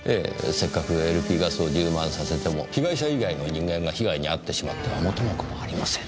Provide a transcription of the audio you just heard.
せっかくＬＰガスを充満させても被害者以外の人間が被害に遭ってしまっては元も子もありません。